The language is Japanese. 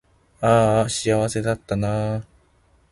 あーあ幸せだったなー